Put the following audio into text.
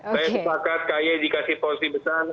saya sepakat k y dikasih porsi besan